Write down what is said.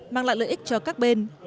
mang lại lợi ích cho các bên